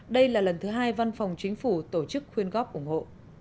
đây là lần thứ hai văn phòng chính phủ tổ chức khuyên góp ủng hộ